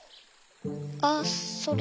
あっそれ。